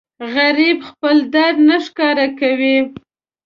غریب خپل درد نه ښکاره کوي